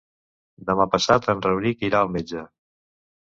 Demà passat en Rauric irà al metge.